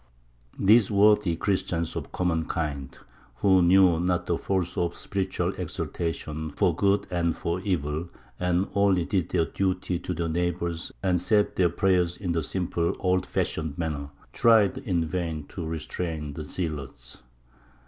These worthy Christians of the common kind, who knew not the force of spiritual exaltation for good and for evil, and only did their duty to their neighbours and said their prayers in the simple, old fashioned manner, tried in vain to restrain the zealots.